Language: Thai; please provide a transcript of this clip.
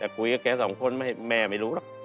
แต่คุยกับแกสองคนแม่ไม่รู้หรอก